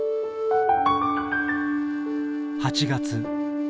８月。